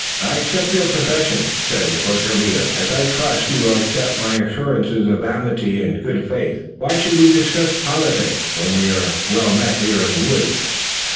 "I accept your professions," said de Courcelles, "as I trust you will accept my own assurances of amity and good faith. Why should we discuss politics, when we are well met here in the woods?